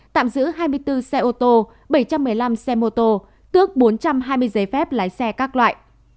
tạm giữ hai mươi bốn xe ô tô bảy trăm một mươi năm xe mô tô tước bốn trăm hai mươi giấy phép lái xe các loại